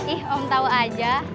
ih om tau aja